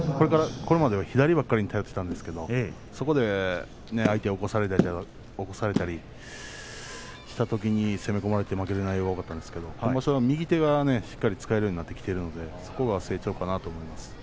これまでは左ばかりに頼っていたんですがそこで相手に起こされたりきたときに攻め込まれて負ける内容が多かったんですが今場所は右手がしっかり使えるようになってきているのでそこが成長かなと思います。